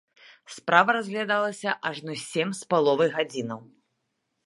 Справа разглядалася ажно сем з паловай гадзінаў.